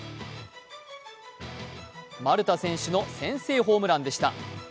丸田選手の先制ホームランでした。